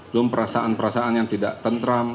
belum perasaan perasaan yang tidak tentram